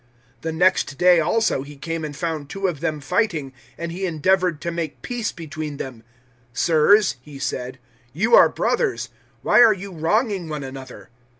007:026 The next day, also, he came and found two of them fighting, and he endeavoured to make peace between them. "`Sirs,' he said, `you are brothers. Why are you wronging one another?'